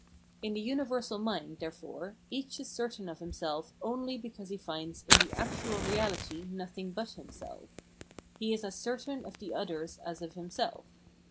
In the universal mind, there . fore, each is certain of himself only because he finds in the actual reaUty nothing but himself ; he is as certain of the others as of himself.